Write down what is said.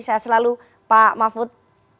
saya selalu pak mahfud